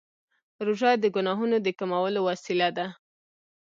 روژه د ګناهونو د کمولو وسیله ده.